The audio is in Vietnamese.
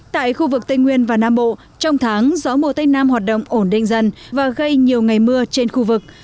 tại khu vực tây nguyên và nam bộ trong tháng gió mùa tây nam hoạt động ổn định dần và gây nhiều ngày mưa trên khu vực